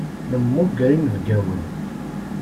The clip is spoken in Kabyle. Nemmuger inebgawen.